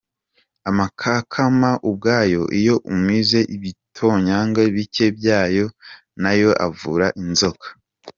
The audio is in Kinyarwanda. Amakakama ubwayo iyo umize ibitonyanga bike byayo nayo avura inzoka.